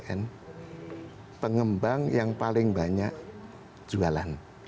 dan pengembang yang paling banyak jualan